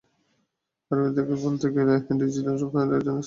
কারিগরি দিক থেকে বলতে গেলে ডিজিটাল রূপান্তরের জন্যই স্মার্ট শব্দটির ব্যবহার।